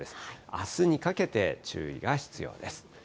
あすにかけて注意が必要です。